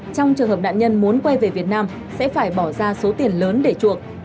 trong trường hợp nạn nhân muốn quay về việt nam sẽ phải bỏ ra số tiền lớn để chuộc